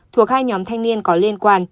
thuộc hai nhóm thanh niên có liên quan